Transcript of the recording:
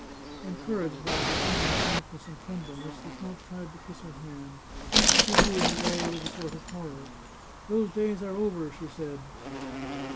Encouraged by her tone of frankness and friendliness, the count tried to kiss her hand. She drew it away with a sort of horror. " Those days are over," she said.